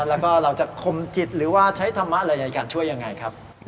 แล้วก็เราจะคมจิตหรือว่าใช้ธรรมะอะไรในการช่วยยังไงครับ